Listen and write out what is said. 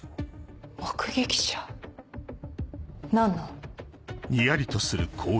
目撃者？何の？